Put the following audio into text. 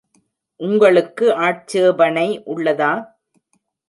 உங்களுக்கு ஆட்சேபணை உள்ளதா?